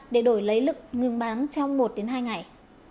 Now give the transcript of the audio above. để đổi lấy lực ngừng bắn trong một hai ngày